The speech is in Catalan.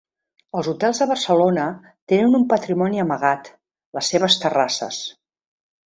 Els hotels de Barcelona tenen un patrimoni amagat: les seves terrasses.